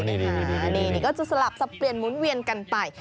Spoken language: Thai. นี่ก็จะสลับสับเปลี่ยนหมุนเวียนกันไป